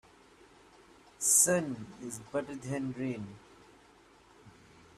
Sun is better than rain.